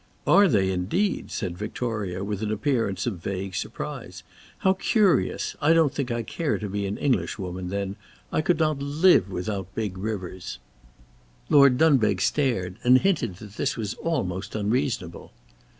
"Are they indeed?" said Victoria, with an appearance of vague surprise; "how curious! I don't think I care to be an Englishwoman then. I could not live without big rivers." Lord Dunbeg stared, and hinted that this was almost unreasonable.